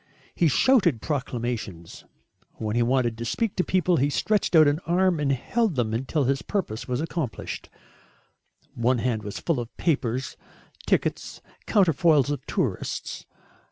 He shouted proclamations. When he wanted to speak to people he stretched out an arm and held them until his purpose was accomplished. One hand was full of papers, tickets, counterfoils of tourists.